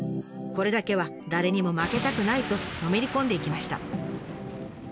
これだけは誰にも負けたくないとのめり込んでいきました。